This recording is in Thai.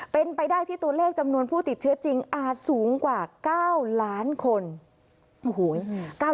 เป็นไปได้ที่ตัวเลขจำนวนผู้ติดเชื้อจริงอาจสูงกว่า๙ล้านคน